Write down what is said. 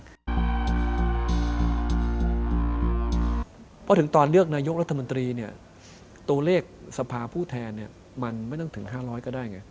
เพราะถึงตอนเลือกนายกรัฐมนตรีเนี่ยตัวเลขสภาผู้แทนเนี่ยมันไม่ต้องถึง๕๐๐ก็ได้ไง